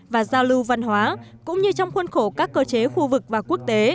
và giao lưu văn hóa cũng như trong khuôn khổ các cơ chế khu vực và quốc tế